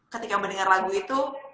ketika mendengar lagu itu